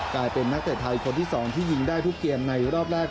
กลายเป็นนักเตะไทยคนที่๒ที่ยิงได้ทุกเกมในรอบแรก